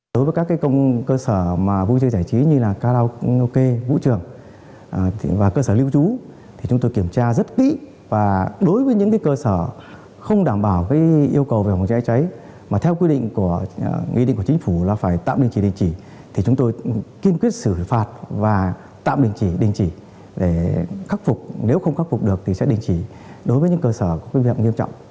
nếu không khắc phục được thì sẽ đình chỉ đối với những cơ sở có quyết định nghiêm trọng